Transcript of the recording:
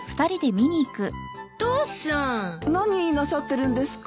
何なさってるんですか？